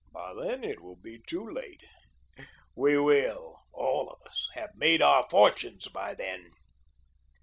"By then it will be too late. We will, all of us, have made our fortunes by then."